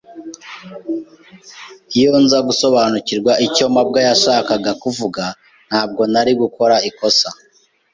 Iyo nza gusobanukirwa icyo mabwa yashakaga kuvuga, ntabwo nari gukora ikosa.